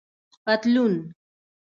👖پطلون